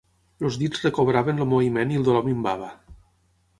Els dits recobraven el moviment i el dolor minvava